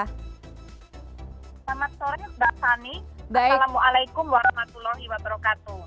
selamat sore mbak fani assalamualaikum warahmatullahi wabarakatuh